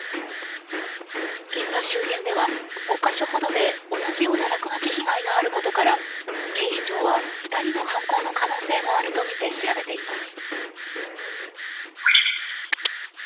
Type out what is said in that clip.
現場周辺では５か所ほどで同じような落書き被害があることから警視庁は２人の犯行の可能性もあるとみて調べています。